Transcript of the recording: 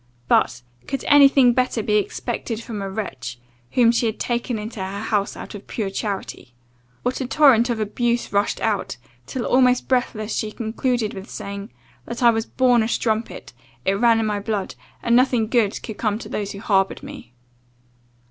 But, could any thing better be expected from a wretch, whom she had taken into her house out of pure charity?' What a torrent of abuse rushed out? till, almost breathless, she concluded with saying, 'that I was born a strumpet; it ran in my blood, and nothing good could come to those who harboured me.